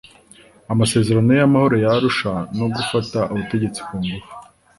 amasezerano y'amahoro ya arusha no gufata ubutegetsi ku ngufu.